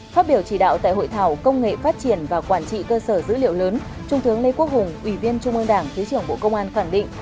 phát biểu chỉ đạo tại hội thảo công nghệ phát triển và quản trị cơ sở dữ liệu lớn trung thướng lê quốc hùng ủy viên trung ương đảng thứ trưởng bộ công an khẳng định